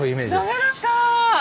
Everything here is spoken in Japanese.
滑らか。